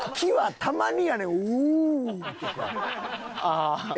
ああ。